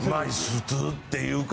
普通っていうか。